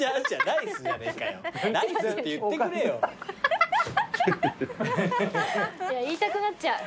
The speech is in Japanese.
いや言いたくなっちゃう。